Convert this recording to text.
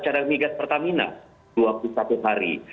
cadangan migas pertamina dua puluh satu hari